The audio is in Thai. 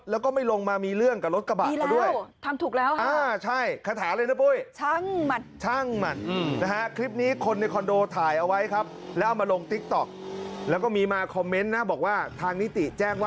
แล้วก็ไม่ลงมามีเรื่องกับรถกระบะเขาด้วยดีแล้วทำถูกแล้ว